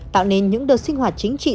tạo nên những đợt sinh hoạt chính trị